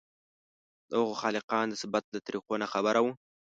د هغو خالقان د ثبت له طریقو ناخبره وو.